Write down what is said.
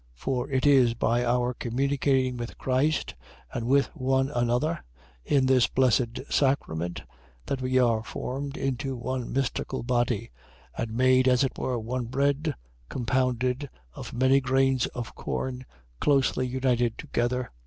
For it is by our communicating with Christ, and with one another, in this blessed sacrament, that we are formed into one mystical body; and made, as it were, one bread, compounded of many grains of corn, closely united together.